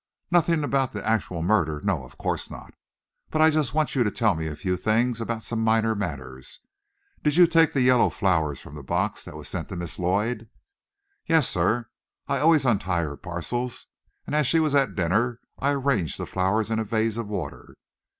"Nothing about the actual murder; no, of course not. But I just want you to tell me a few things about some minor matters. Did you take the yellow flowers from the box that was sent to Miss Lloyd?" "Yes, sir; I always untie her parcels. And as she was at dinner, I arranged the flowers in a vase of water."